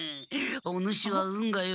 お主は運がよい。